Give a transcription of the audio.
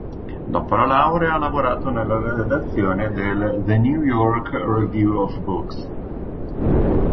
Dopo la laurea ha lavorato nella redazione del "The New York Review of Books".